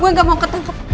gue gak mau ketangkep